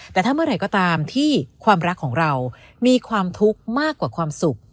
แต่ถ้าเมื่อไหร่ก็ตามที่ความรักของเรามีความทุกข์มากกว่าความสุข